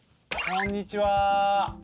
こんにちは！